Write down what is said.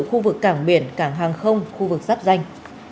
khu vực cảng biển cảng hàng không khu vực giáp danh